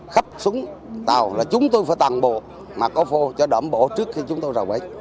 khắp xuống tàu là chúng tôi phải tàn bộ mà có phô cho đẩm bộ trước khi chúng tôi rầu ấy